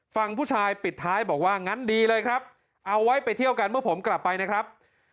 ฝั่งผู้ชายปิดท้ายบอกว่างั้นดีเลยครับเอาไว้ไปเที่ยวกันเมื่อผมกลับไปนะครับ